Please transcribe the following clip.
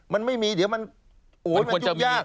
มันไม่มีเดี๋ยวมันโอ๊ยมันยุ่งยาก